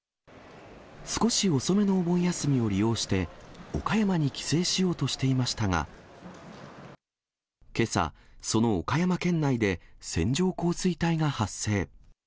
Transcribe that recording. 少し遅めのお盆休みを利用して、岡山に帰省しようとしていましたが、けさ、その岡山県内で線状降水帯が発生。